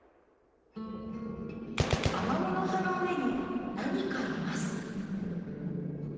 アマモの葉の上に何かいます。